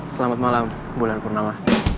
selamat malam bulan purnama